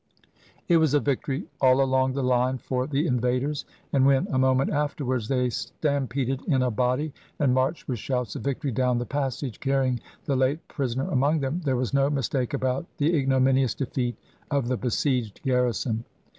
It was a victory all along the line for the invaders, and when, a moment afterwards, they stampeded in a body, and marched with shouts of victory down the passage, carrying the late prisoner among them, there was no mistake about the ignominious defeat of the besieged garrison.